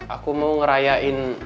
aku mau ngerayain